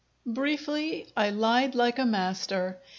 Briefly, I lied like a master.